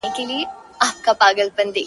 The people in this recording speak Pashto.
• کډه ستا له کلي بارومه نور ,